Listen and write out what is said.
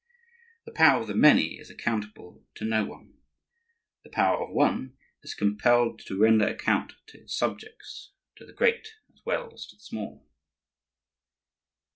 The power of the many is accountable to no one; the power of one is compelled to render account to its subjects, to the great as well as to the small.